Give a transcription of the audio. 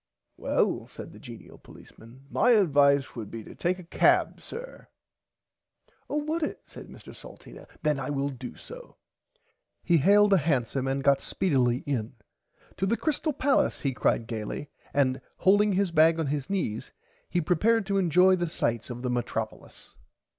Well said the geniul policeman my advice would be to take a cab sir. [Pg 49] Oh would it said Mr Salteena then I will do so. He hailed a Hansome and got speedily in to the Crystal Palace he cried gaily and holding his bag on his knees he prepared to enjoy the sights of the Metropilis.